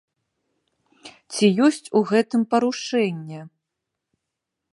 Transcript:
Ці ёсць у гэтым парушэнне?